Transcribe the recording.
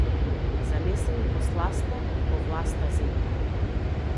Занесени по сласта и по власта земна.